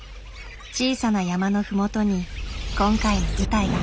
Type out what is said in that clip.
小さな山の麓に今回の舞台が。